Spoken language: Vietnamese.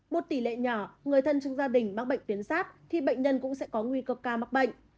một tỷ lệ nhỏ người thân trong gia đình mắc bệnh tuyến giáp thì bệnh nhân cũng sẽ có nguy cơ cao mắc bệnh